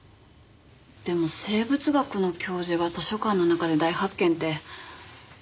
でも生物学の教授が図書館の中で大発見ってあるんでしょうか？